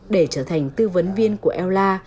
để trở thành tư vấn viên của ella